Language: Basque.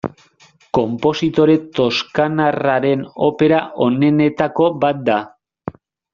Konpositore toskanarraren opera onenetako bat da.